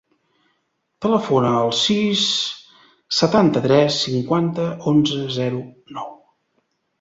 Telefona al sis, setanta-tres, cinquanta, onze, zero, nou.